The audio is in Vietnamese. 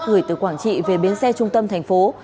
gửi từ quảng trị về biến xe trung tâm thành phố